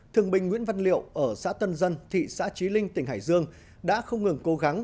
thương binh nguyễn văn liệu ở xã tân dân thị xã trí linh tỉnh hải dương đã không ngừng cố gắng